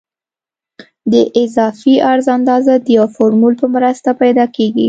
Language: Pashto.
د اضافي عرض اندازه د یو فورمول په مرسته پیدا کیږي